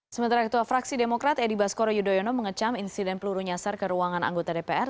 sementara ketua fraksi demokrat edi baskoro yudhoyono mengecam insiden peluru nyasar ke ruangan anggota dpr